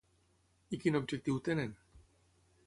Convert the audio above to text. I quin objectiu tenen?